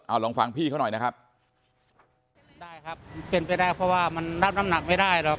เอาลองฟังพี่เขาหน่อยนะครับได้ครับเป็นไปได้เพราะว่ามันรับน้ำหนักไม่ได้หรอก